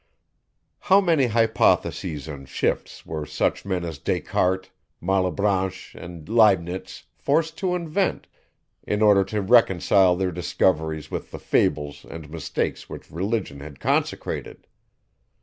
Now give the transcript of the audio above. How many hypotheses and shifts were such men as Descartes, Mallebranche, and Leibnitz, forced to invent, in order to reconcile their discoveries with the fables and mistakes which Religion had consecrated!